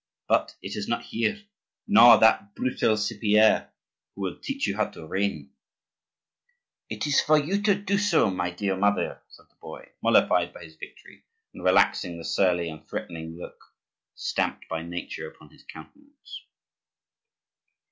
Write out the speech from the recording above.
"But it is not here, nor that brutal Cypierre who will teach you how to reign." "It is for you to do so, my dear mother," said the boy, mollified by his victory and relaxing the surly and threatening look stamped by nature upon his countenance.